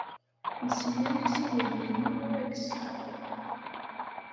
Nsemma-as i weydi-nneɣ Rex.